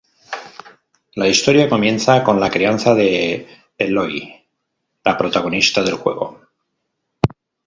La historia comienza con la crianza de Aloy, la protagonista del juego.